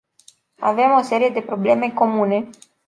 Avem o serie de probleme comune.